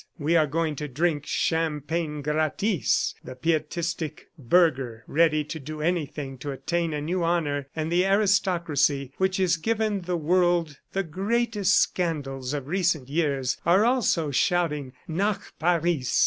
We are going to drink champagne gratis!' The pietistic burgher, ready to do anything to attain a new honor, and the aristocracy which has given the world the greatest scandals of recent years, are also shouting, 'Nach Paris!